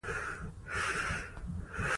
علامه حبیبي د ملي ارزښتونو د بیان ملاتړ کړی دی.